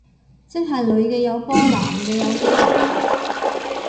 即係女嘅有波男嘅有肌肉